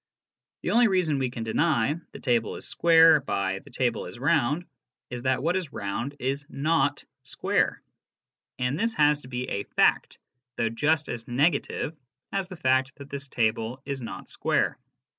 The only reason we can deny " the table is square " by " the table is round " is that what is round is not square. And this has to be s,fact, though just as negative as the fact that this table is not square.